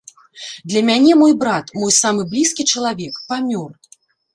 Для мяне мой брат, мой самы блізкі чалавек памёр.